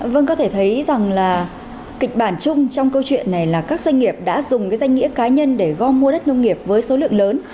vâng có thể thấy rằng là kịch bản chung trong câu chuyện này là các doanh nghiệp đã dùng cái danh nghĩa cá nhân để gom mua đất nông nghiệp với số lượng lớn